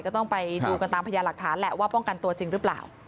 ก็ต้องไปดูกันตามพยานหลักฐานแหละว่าป้องกันตัวจริงหรือเปล่า